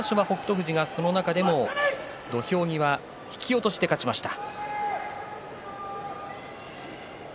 富士がその中でも土俵際引き落としで勝ちました。